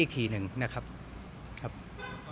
มีใครไปดึงปั๊กหรือว่า